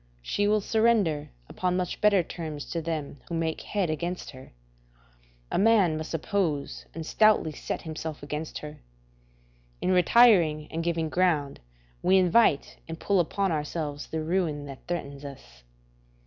She will surrender upon much better terms to them who make head against her: a man must oppose and stoutly set himself against her. In retiring and giving ground, we invite and pull upon ourselves the ruin that threatens us.